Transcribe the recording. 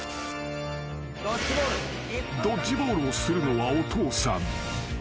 ［ドッジボールをするのはお父さん］